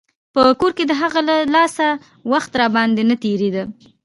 په کور کښې د هغې له لاسه وخت راباندې نه تېرېده.